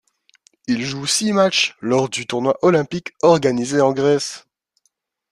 Il joue six matchs lors du tournoi olympique organisé en Grèce.